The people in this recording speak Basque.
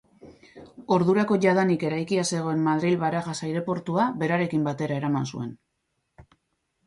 Ordurako jadanik eraikia zegoen Madril-Barajas aireportua berarekin batera eraman zuen.